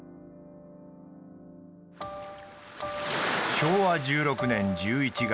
昭和１６年１１月。